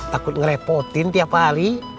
takut ngerepotin tiap hari